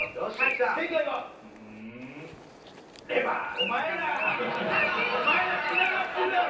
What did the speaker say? お前ら！お前らつながってるやろ！